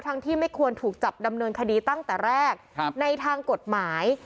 ที่ไม่ควรถูกจับดำเนินคดีตั้งแต่แรกในทางกฎหมาย